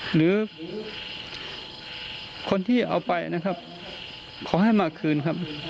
หรือคนที่เอาไปนะครับขอให้มาคืนครับ